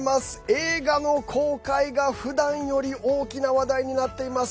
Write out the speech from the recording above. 映画の公開が、ふだんより大きな話題になっています。